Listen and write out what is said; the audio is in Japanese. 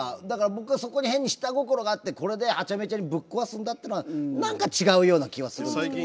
だから僕はそこに変に下心があってこれではちゃめちゃにぶっ壊すんだっていうのは何か違うような気はするんです。